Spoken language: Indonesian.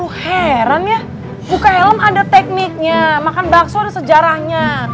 tuh heran ya buka helm ada tekniknya makan bakso ada sejarahnya